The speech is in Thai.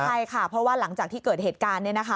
ใช่ค่ะเพราะว่าหลังจากที่เกิดเหตุการณ์